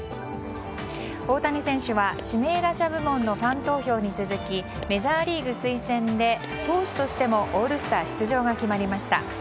大谷選手は指名打者部門のファン投票に続きメジャーリーグ推薦で投手としてもオールスター出場が決まりました。